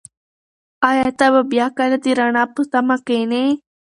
ایا ته به بیا کله د رڼا په تمه کښېنې؟